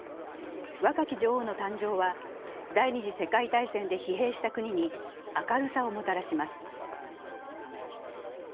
若き女王の誕生は第二次世界大戦で疲弊した国に明るさをもたらします。